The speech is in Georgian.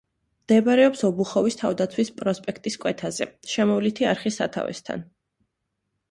მდებარეობს ობუხოვის თავდაცვის პროსპექტის კვეთაზე, შემოვლითი არხის სათავესთან.